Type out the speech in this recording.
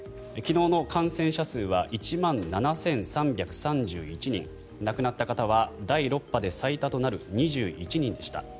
昨日の感染者数は１万７３３１人亡くなった方は第６波で最多となる２１人でした。